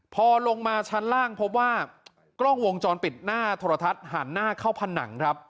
พอลงมาชั้นล่างพบว่ากล้องวงจรปิดหน้าโทรทัศน์หันหน้าเข้าผนังครับ